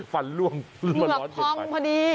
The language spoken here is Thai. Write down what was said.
ฟันล่วงเสร็จออกไปหลวกฮอมเพอดี